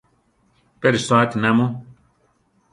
¿Pé risoáti namu?